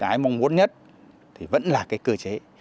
ai mong muốn nhất thì vẫn là cái cơ chế